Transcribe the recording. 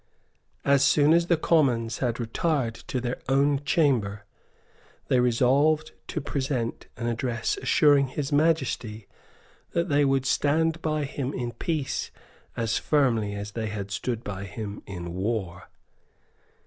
As soon as the Commons had retired to their own chamber, they resolved to present an address assuring His Majesty that they would stand by him in peace as firmly as they had stood by him in war.